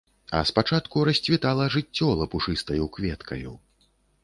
А спачатку расцвітала жыццё лапушыстаю кветкаю.